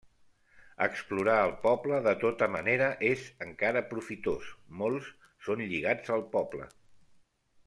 Explorar el poble de tota manera és encara profitós; molts són lligats al poble.